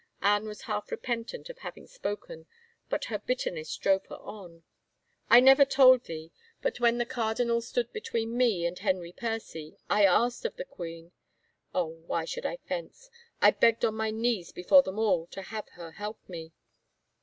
Anne was half repentant of having spoken, but her bitterness drove her on. " I never told thee, but when the cardinal stood between me and Henry Percy, I asked of the queen — Oh, why should I fence? I begged on my knees before them all to have her help me.